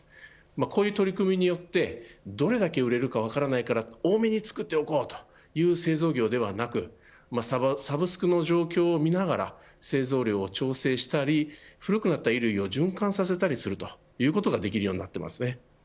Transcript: こうした取り組みによってどれだけ売れるか分からないから多めに作っておこうという製造業ではなくサブスクの状況を見ながら製造量を調整したり古くなった衣類を循環させたりするということができるようになっています。